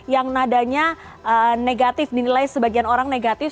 yang nadanya negatif dinilai sebagian orang negatif